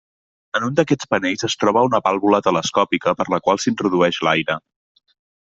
En un d'aquests panells es troba una vàlvula telescòpica per la qual s'introdueix l'aire.